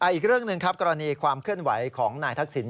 อีกเรื่องหนึ่งครับกรณีความเคลื่อนไหวของนายทักษิณ